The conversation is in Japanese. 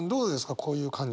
こういう感情。